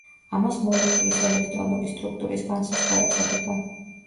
ამას მოლეკულის ელექტრონული სტრუქტურის განსაზღვრა ეწოდება.